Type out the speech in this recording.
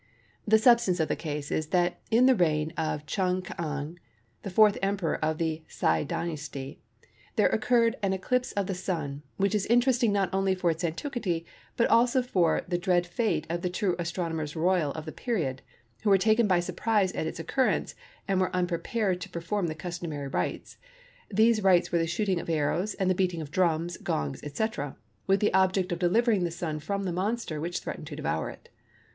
The substance of the case is that in the reign of Chung K'ang, the fourth Emperor of the Hsia Dynasty, there occurred an eclipse of the Sun, which is interesting not only for its antiquity, but also for the dread fate of the two Astronomers Royal of the period, who were taken by surprise at its occurrence, and were unprepared to perform the customary rites. These rites were the shooting of arrows and the beating of drums, gongs, etc., with the object of delivering the Sun from the monster which threatened to devour it.